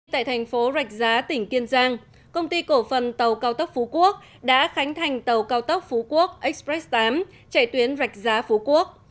tại thành phố rạch giá tỉnh kiên giang công ty cổ phần tàu cao tốc phú quốc đã khánh thành tàu cao tốc phú quốc express tám chạy tuyến rạch giá phú quốc